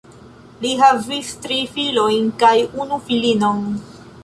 Li havis tri filojn kaj unu filinon.